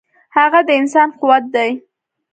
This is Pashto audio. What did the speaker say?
هڅه د انسان قوت دی.